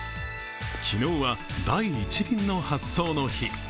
昨日は第１便の発送の日。